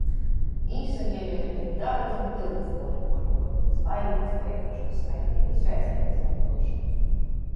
Īsavielieju i daudzim tyltim puori puorguoju, zvaigznis kreitūšuos skaiteju i sveceitis nūpyušu...